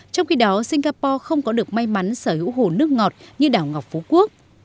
trong khi đó singapore không có được may mắn sở hữu hồ nước ngọt như đảo ngọc phú quốc